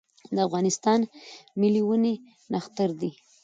د افغانستان ملي ونې نښتر دی